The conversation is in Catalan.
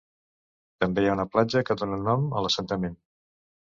També hi ha una platja que dóna nom a l'assentament.